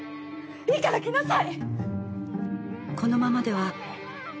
いいから来なさい。